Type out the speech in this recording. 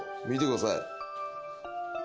見てください。